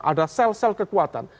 ada sel sel kekuatan